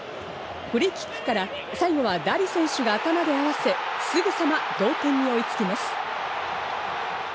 フリーキックから最後はダリ選手が頭で合わせ、すぐさま同点に追いつきます。